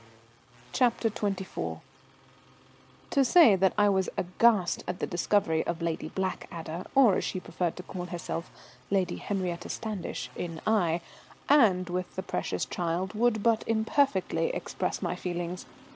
CHAPTER XXIV. To say that I was aghast at the discovery of Lady Blackadder, or, as she preferred to call herself, Lady Henriette Standish, in Aix, and with the precious child, would but imperfectly express my feelings.